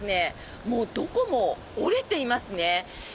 もう、どこも折れていますね。